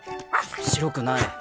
白くない。